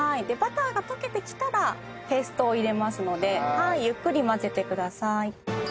でバターが溶けてきたらペーストを入れますのでゆっくり混ぜてください。